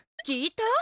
聞いた？